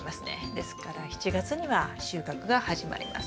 ですから７月には収穫が始まります。